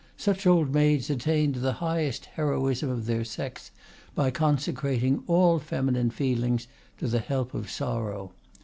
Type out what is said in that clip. Such old maids attain to the highest heroism of their sex by consecrating all feminine feelings to the help of sorrow.